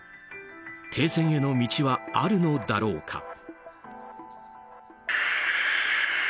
停戦への道はあるのだろうか。